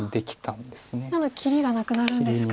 なので切りがなくなるんですか。